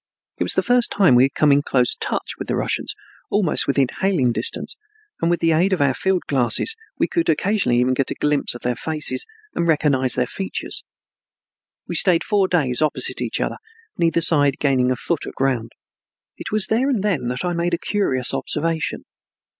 It was the first time we had come in close touch with the Russians, almost within hailing distance, and with the aid of our field glasses we could occasionally even get a glimpse of their faces and recognize their features. We stayed four days opposite each other, neither side gaining a foot of ground. It was there and then that I made a curious observation.